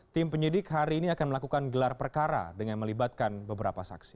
tim penyidik hari ini akan melakukan gelar perkara dengan melibatkan beberapa saksi